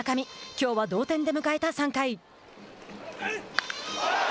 きょうは同点で迎えた３回。